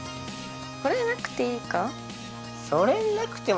これ入れなくていいか。